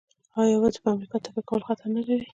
آیا یوازې په امریکا تکیه کول خطر نلري؟